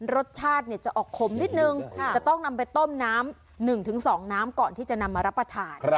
รสชาติจะออกขมนิดนึงจะต้องนำไปต้มน้ำ๑๒น้ำก่อนที่จะนำมารับประทาน